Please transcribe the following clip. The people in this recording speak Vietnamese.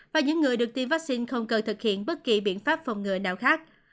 và những người được tiêm vaccine không cần thực hiện bất kỳ biện pháp phòng ngừa nào khác